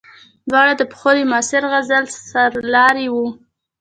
دواړه د پښتو د معاصر غزل سرلاري وو.